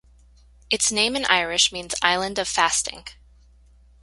Its name in Irish means Island of Fasting.